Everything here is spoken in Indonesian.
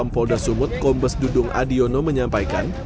polda sumut kombes dudung adiono menyampaikan